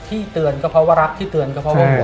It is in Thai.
ที่เตือนก็เพราะว่ารักที่เตือนก็เพราะว่าผม